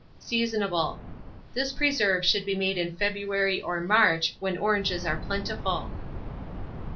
Seasonable. This preserve should be made in February or March, when oranges are plentiful.